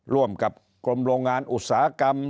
ร่วมกับกรมโรงงานอุตสาหกรรม